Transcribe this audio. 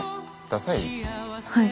ださい？